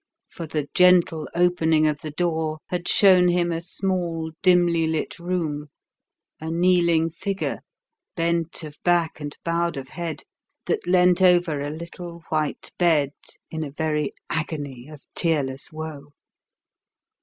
For the gentle opening of the door had shown him a small, dimly lit room, a kneeling figure, bent of back and bowed of head, that leant over a little white bed in a very agony of tearless woe.